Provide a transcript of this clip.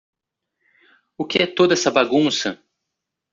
O que é toda essa bagunça?